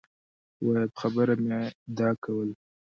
وایم خبره مي دا کول